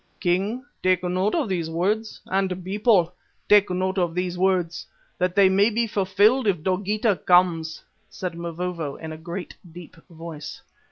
"King, take note of those words, and people, take note of those words, that they may be fulfilled if Dogeetah comes," said Mavovo in a great, deep voice.